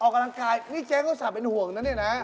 ออกกำลังกายนี่เจ๊เขาสาวเป็นห่วงนะ